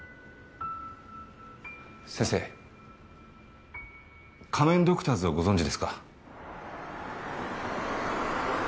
先生仮面ドクターズをご存じですか？